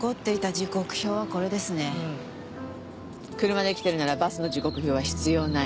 車で来てるならバスの時刻表は必要ない。